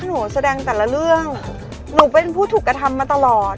หนูแสดงแต่ละเรื่องหนูเป็นผู้ถูกกระทำมาตลอด